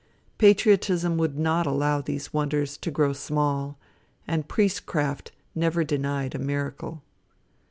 Patriotism would not allow these wonders to grow small, and priestcraft never denied a miracle.